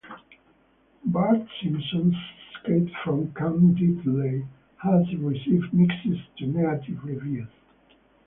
"Bart Simpson's Escape from Camp Deadly" has received mixed to negative reviews.